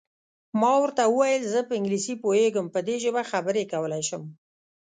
ما ورته وویل: زه په انګلیسي پوهېږم، په دې ژبه خبرې کولای شم.